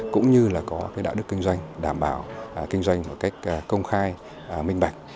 cũng như là có cái đạo đức kinh doanh đảm bảo kinh doanh một cách công khai minh bạch